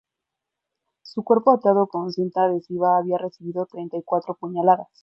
Su cuerpo atado con cinta adhesiva había recibido treinta y cuatro puñaladas.